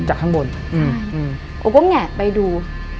อุ๊กว่าไงไปดู